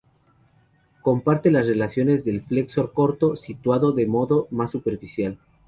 Comparte las relaciones del flexor corto, situado de modo más superficial.